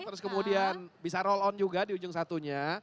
terus kemudian bisa roll on juga di ujung satunya